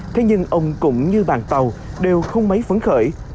thế nhưng ông cũng như bàn tàu đều không mấy phấn khởi